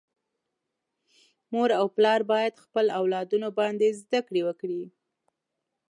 مور او پلار باید خپل اولادونه باندي زده کړي وکړي.